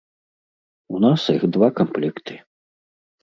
У нас іх два камплекты.